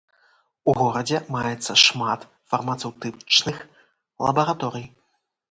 У горадзе маецца шмат фармацэўтычных лабараторый.